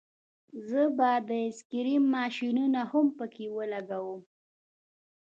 زه به د آیس کریم ماشینونه هم پکې ولګوم